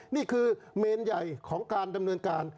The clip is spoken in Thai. นี่คือเมนใหญ่ของการดำเนินการ